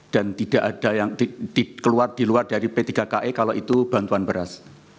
dan tidak ada yang keluar di luar dari p tiga ke kalau itu bantuan beras